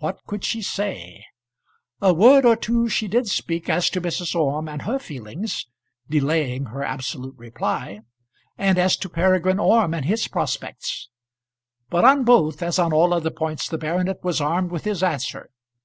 What could she say? A word or two she did speak as to Mrs. Orme and her feelings, delaying her absolute reply and as to Peregrine Orme and his prospects; but on both, as on all other points, the baronet was armed with his answer.